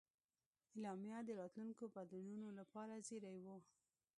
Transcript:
اعلامیه د راتلونکو بدلونونو لپاره زېری و.